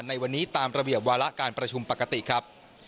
ในวันนี้ตามระเบียบวาระการประชุมปกติครับ